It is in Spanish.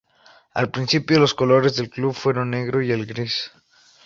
Al principio los colores del club fueron el negro y el gris.